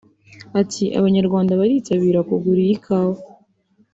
Ati “Abanyarwanda baritabira kugura iyi kawa